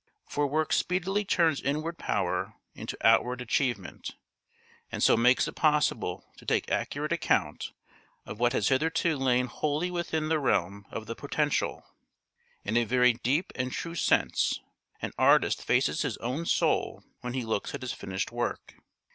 For work speedily turns inward power into outward achievement, and so makes it possible to take accurate account of what has hitherto lain wholly within the realm of the potential. In a very deep and true sense an artist faces his own soul when he looks at his finished work.